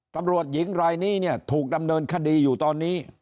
ตำรวจหญิงรายนี้เนี่ยถูกดำเนินคดีอยู่ตอนนี้